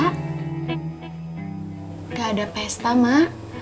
gak ada pesta mak